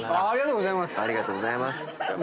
ありがとうございます。